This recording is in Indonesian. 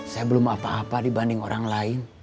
saya belum apa apa dibanding orang lain